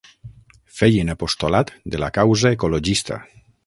Feien apostolat de la causa ecologista.